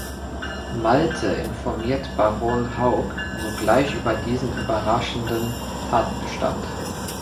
Malte informiert Baron Hauk sogleich über diesen überraschenden Tatbestand.